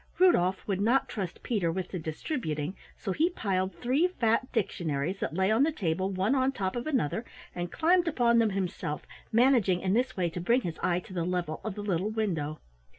Rudolf would not trust Peter with the distributing, so he piled three fat dictionaries that lay on the table one on top of another and climbed upon them himself, managing in this way to bring his eye to the level of the little window.